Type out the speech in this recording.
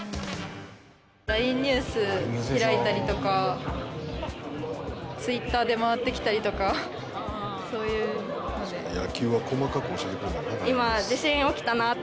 ＬＩＮＥニュース開いたりとかＴｗｉｔｔｅｒで回ってきたりとかそういうので。